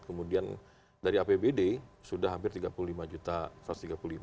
kemudian dari apbd sudah hampir tiga puluh lima juta